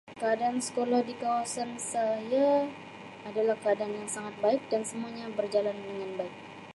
Keadaan sekolah di kawasan saya adalah keadaan yang sangat baik dan semuanya berjalan dengan baik.